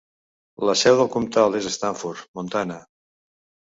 La seu del comtal és Stanford, Montana.